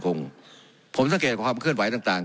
ผมจะเกตในทุกคำความเคลื่อนไหวต่าง